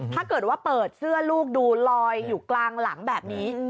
ถ้าเกิดว่าเปิดเสื้อลูกดูลอยอยู่กลางหลังแบบนี้